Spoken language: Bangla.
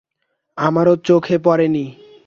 আমারও চোখে পড়েনি।